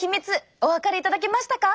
お分かりいただけましたか？